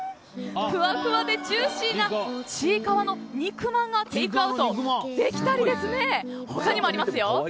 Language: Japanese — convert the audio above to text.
ふわふわでジューシーなちいかわの肉まんがテイクアウトできたり他にもあります。